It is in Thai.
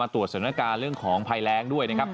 ตรวจสถานการณ์เรื่องของภัยแรงด้วยนะครับ